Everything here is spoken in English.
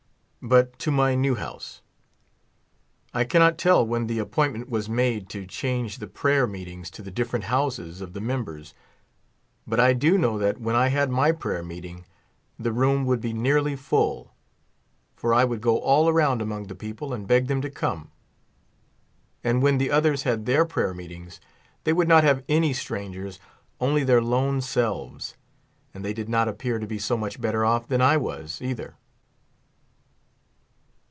But to my new house. I cannot tell when the appoint ment was made to change the prayer meetings to the dif ferent houses of the members. But I do know that when I had my prayer meeting the room would be nearly full, for I would go all around among the people and beg them to come ; and when the others had their prayer meetings they would not have any strangers, only their lone selves, and they did not appear to be so much better off than I was, either.